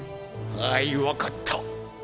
あいわかった。